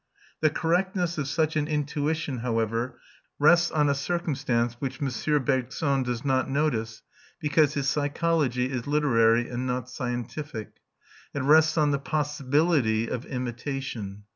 The correctness of such an intuition, however, rests on a circumstance which M. Bergson does not notice, because his psychology is literary and not scientific. It rests on the possibility of imitation.